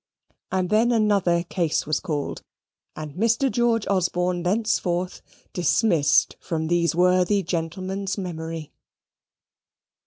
And then another case was called, and Mr. George Osborne thenceforth dismissed from these worthy gentlemen's memory.